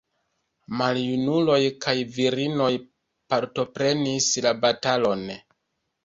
Maljunuloj kaj virinoj partoprenis la batalon.